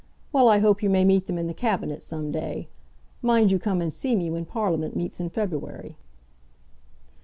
Well, I hope you may meet them in the Cabinet some day. Mind you come and see me when Parliament meets in February."